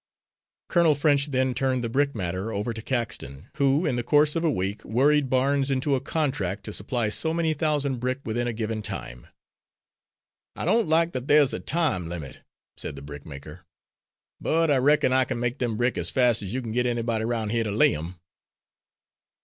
Colonel French then turned the brick matter over to Caxton, who, in the course of a week, worried Barnes into a contract to supply so many thousand brick within a given time. "I don't like that there time limit," said the brickmaker, "but I reckon I can make them brick as fast as you can get anybody roun' here to lay 'em."